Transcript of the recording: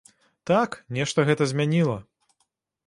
Так, нешта гэта змяніла.